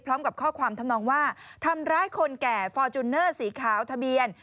พร้อมกับข้อความทำนองว่าทำร้ายคนแก่ฟอร์จูเนอร์สีขาวทะเบียน